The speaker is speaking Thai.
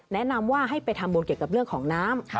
แนะนำว่าให้ไปทำบุญเกี่ยวกับเรื่องของน้ำ